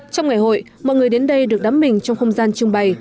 trong ngày hội mọi người đến đây được đắm mình trong không gian trưng bày